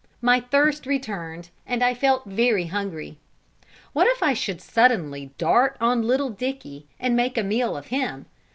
My thirst returned, and I felt very hungry. What if I should suddenly dart on little Dicky, and make a meal of him?